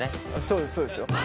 そうですそうですよ。